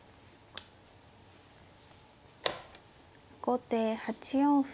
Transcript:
後手８四歩。